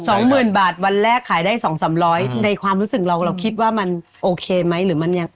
สองหมื่นบาทวันแรกขายได้สองสามร้อยในความรู้สึกเราเราคิดว่ามันโอเคไหมหรือมันยัง